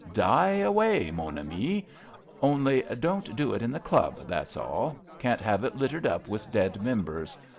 Die away, mon ami. Only don't do it in the Club, that's all. Can't have it littered up with dead members.